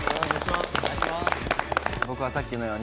僕はさっきのように。